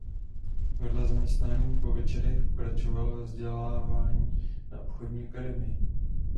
Vedle zaměstnání po večerech pokračoval ve vzdělávání na obchodní akademii.